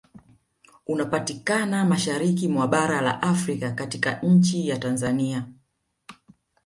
Unapatikana mashariki mwa bara la Afrika katika nchi ya Tanzania